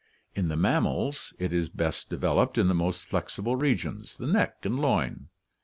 In the mammals it is best de veloped in the most flexible regions, the neck and loin.